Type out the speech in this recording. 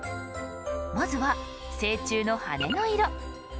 まずは成虫の羽の色。